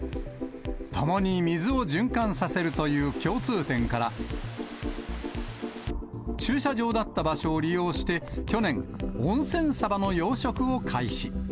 ともに水を循環させるという共通点から、駐車場だった場所を利用して、去年、温泉サバの養殖を開始。